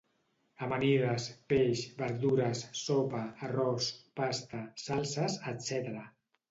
Amanides, peix, verdures, sopa, arròs, pasta, salses, etc.